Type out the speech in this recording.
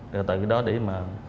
rồi từ đó để mà